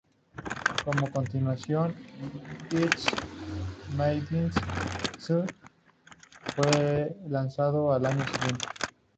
Como continuación, "It's... Madness Too" fue lanzado al año siguiente.